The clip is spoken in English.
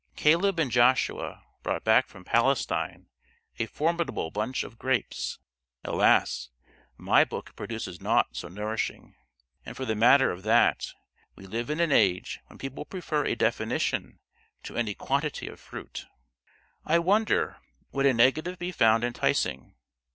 Caleb and Joshua brought back from Palestine a formidable bunch of grapes; alas! my book produces naught so nourishing; and for the matter of that, we live in an age when people prefer a definition to any quantity of fruit. I wonder, would a negative be found enticing?